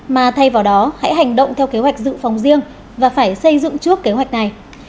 mà thay vào đó hãy hành động theo kế hoạch dự phòng riêng và phải xây dựng trước kế hoạch này